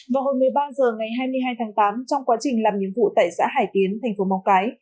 vào hồi một mươi ba h ngày hai mươi hai tháng tám trong quá trình làm nhiệm vụ tại xã hải tiến thành phố móng cái